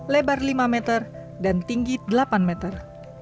lebar lima meter dan tinggi delapan meter